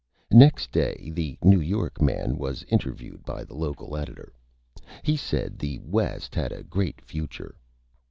Next Day the New York Man was Interviewed by the Local Editor. He said the West had a Great Future.